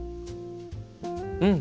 うん！